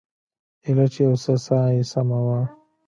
ايله چې يو څه ساه يې سمه وه.